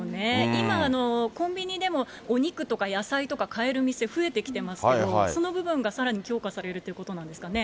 今、コンビニでもお肉とか野菜とか買える店、増えてきてますけど、その部分がさらに強化されるということなんですかね。